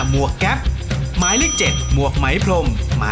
หมวกปีกดีกว่าหมวกปีกดีกว่า